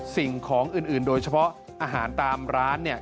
สิ่งของอื่นโดยเฉพาะอาหารตามร้านเนี่ย